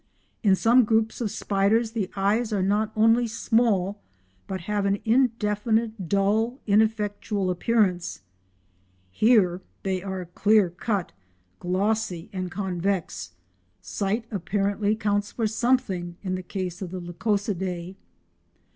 In some groups of spiders the eyes are not only small but have an indefinite, dull, ineffectual appearance; here they are clear cut, glossy and convex; sight apparently counts for something in the case of the Lycosidae.